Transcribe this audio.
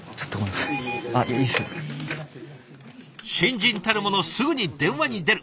新人たるものすぐに電話に出る。